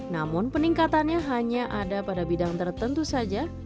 namun peningkatannya hanya ada pada bidang tertentu saja